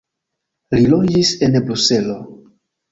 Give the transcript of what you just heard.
Li loĝis en Bruselo.